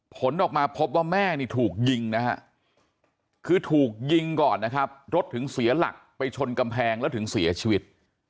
ผลออกมาพบว่าแม่นี่ถูกยิงนะฮะคือถูกยิงก่อนนะครับรถถึงเสียหลักไปชนกำแพงแล้วถึงเสียชีวิต